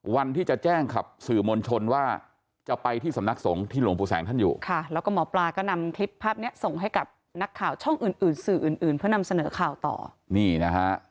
วันที่จะแจ้งกับสื่อมวลชนว่าจะไปที่สำนักสงฆ์ที่หลวงปู่แสงท่านอยู่ค่ะแล้วก็หมอปลาก็นำคลิปภาพเนี้ยส่งให้กับนักข่าวช่องอื่นอื่นสื่ออื่นอื่นเพื่อนำเสนอข่าวต่อนี่นะฮะ